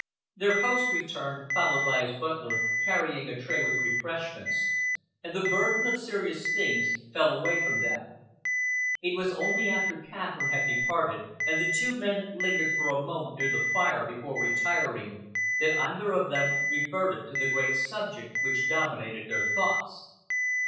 Their host returned, followed by his butler carrying a tray with refreshments, and the burden of serious things fell away from them. It was only after Catherine had departed, and the two men lingered for a moment near the fire before retiring, that either of them reverted to the great subject which dominated their thoughts.